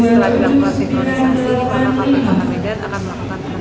setelah dilakukan titulisasi di perangkap pembedaan akan melakukan penutupan